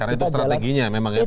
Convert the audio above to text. karena itu strateginya memang ya tidak